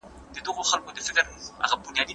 ستا له کوره د غله پل وي زه به څنګه غزل لیکم